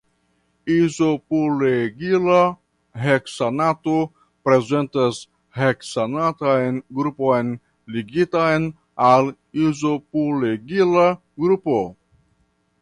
Izopulegila heksanato prezentas heksanatan grupon ligitan al izopulegila grupo.